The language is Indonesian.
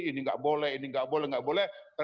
ini enggak boleh ini enggak boleh enggak boleh